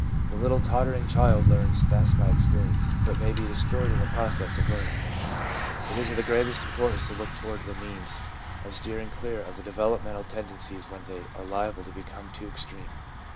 The little tottering child learns best by experience, but may be destroyed in the process of learning. It is of the gravest importance to look toward the means of ADOLESCENCE— BIRTH OF A LARGER SELF 265 steering clear of the developmental tendencies when they are liable to become too extreme.